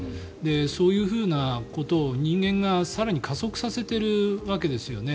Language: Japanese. そういうふうなことを人間が更に加速させているわけですよね。